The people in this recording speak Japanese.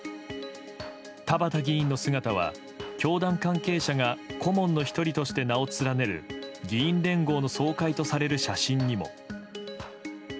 田畑議員の姿は教団関係者が顧問の１人として名を連ねる議員連合の総会とされる写真にも。